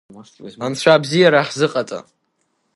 Анцәа абзиара ҳзыҟаҵа!